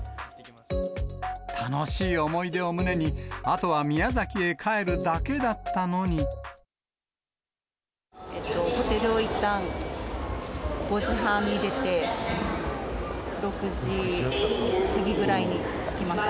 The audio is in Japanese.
楽しい思い出を胸に、ホテルをいったん、５時半に出て、６時過ぎぐらいに着きました。